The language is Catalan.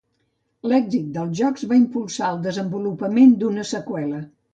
L'èxit dels jocs va impulsar el desenvolupament d'una seqüela.